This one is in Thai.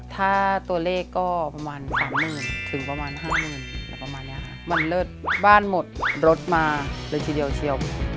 ถ้าตัวเลขก็ประมาณ๓๐๐๐ถึงประมาณ๕๐๐๐อะไรประมาณนี้ค่ะมันเลิศบ้านหมดรถมาเลยทีเดียวเชียว